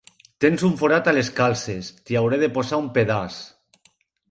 Tens un forat a les calces: t'hi hauré de posar un pedaç.